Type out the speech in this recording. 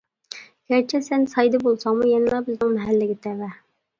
گەرچە سەن سايدا بولساڭمۇ يەنىلا بىزنىڭ مەھەللىگە تەۋە.